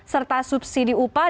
dan juga subsidi upah